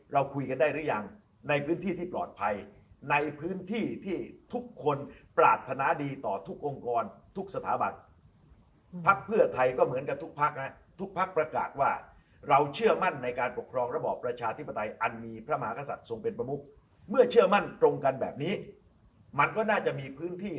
เราคุยกันได้หรือยังในพื้นที่ที่ปลอดภัยในพื้นที่ที่ทุกคนปรารถนาดีต่อทุกองค์กรทุกสถาบันพักเพื่อไทยก็เหมือนกันทุกพักนะทุกพักประกาศว่าเราเชื่อมั่นในการปกครองระบอบประชาธิปไตยอันมีพระมหากษัตริย์ทรงเป็นประมุขเมื่อเชื่อมั่นตรงกันแบบนี้มันก็น่าจะมีพื้นที่